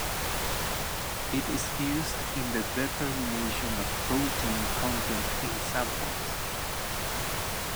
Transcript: It is used in the determination of protein content in samples.